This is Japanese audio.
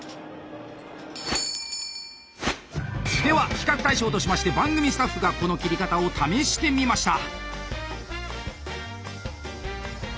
では比較対象としまして番組スタッフがこの切り方を試してみました。